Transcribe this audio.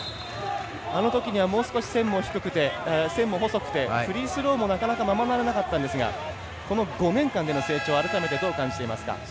あのときはもう少し線も細くてフリースローもなかなかままならなかったんですがこの５年間の成長は改めて、どう感じますか？